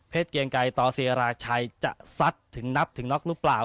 เพศเกียงกายต่อเสียราชัยจะสัดถึงนับถึงน็อคหรือเปล่า